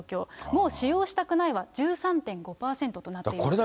もう使用したくないは１３．５％となっています。